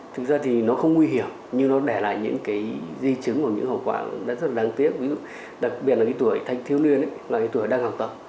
thực ra thì nó không nguy hiểm nhưng nó để lại những cái di chứng của những hậu quả rất là đáng tiếc đặc biệt là cái tuổi thanh thiếu niên là cái tuổi đang học tập